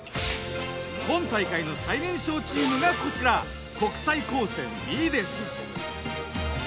今大会の最年少チームがこちら国際高専Ｂです。